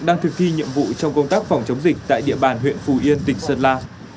đang thực thi nhiệm vụ trong công tác phòng chống dịch tại địa bàn huyện phù yên tỉnh sơn la